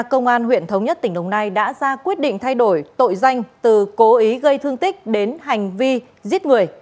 công an huyện thống nhất tỉnh đồng nai đã ra quyết định thay đổi tội danh từ cố ý gây thương tích đến hành vi giết người